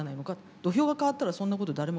土俵が変わったらそんなこと誰も聞かない。